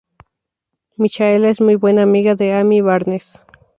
Michaela es muy buena amiga de Amy Barnes.